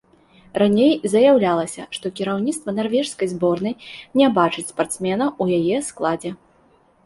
Раней заяўлялася, што кіраўніцтва нарвежскай зборнай не бачыць спартсмена ў яе складзе.